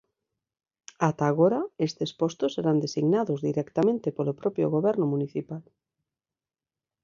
Ata agora estes postos eran designados directamente polo propio Goberno municipal.